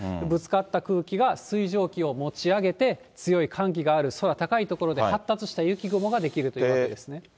ぶつかった空気が水蒸気を持ち上げて、強い寒気がある空高い所で、発達した雪雲が出来るというわけですね。